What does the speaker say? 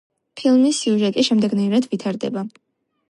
ფილმის სიუჟეტი შემდეგნაირად ვითარდება.